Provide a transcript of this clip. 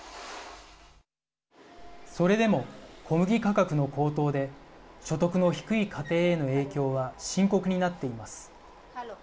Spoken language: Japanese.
それでも、小麦価格の高騰で所得の低い家庭への影響は深刻になっています。